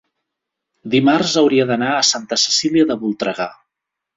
dimarts hauria d'anar a Santa Cecília de Voltregà.